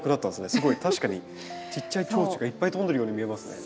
すごい確かにちっちゃいチョウチョがいっぱい飛んでるように見えますね。